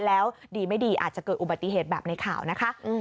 แล้วดีไม่ดีอาจจะเกิดอุบัติเหตุแบบในข่าวนะคะ